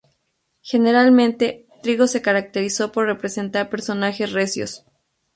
Generalmente, Trigo, se caracterizó por representar personajes recios.